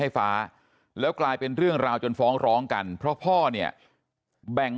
ไฟฟ้าแล้วกลายเป็นเรื่องราวจนฟ้องร้องกันเพราะพ่อเนี่ยแบ่ง